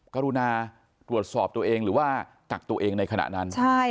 กรุณาตรวจสอบตัวเองหรือว่ากักตัวเองในขณะนั้น